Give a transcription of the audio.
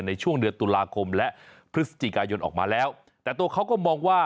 ในช่วงเดือนตุลาคมและพฤศจิกายนออกมาแล้วแต่ตัวเขาก็มองว่า